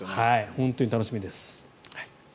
本当に楽しみです。